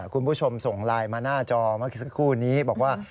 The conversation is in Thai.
คุณผู้ชมส่งไลน์มาหน้าจอเมื่อสักครู่นี้บอกว่า